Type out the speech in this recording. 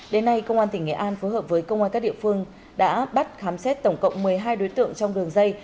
đến nay công an tỉnh nghệ an phối hợp với công an các địa phương đã bắt khám xét tổng cộng một mươi hai đối tượng trong đường dây